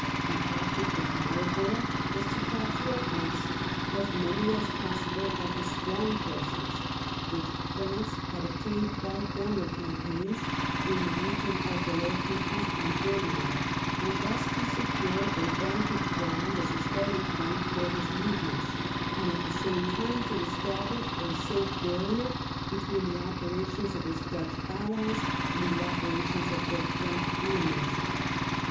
The object of Marlborough was to capture at once as many as possible of the strong places which France had obtained by former cam paigns in the region of the Low Countries and Ger many, and thus to secure a vantage ground as a start ing point for his movements, and at the same time to 100 *'THE CAMPAIGN"— BLENHEIM establish a safe barrier between the operations of his Dutch allies and the operations of their French ene mies.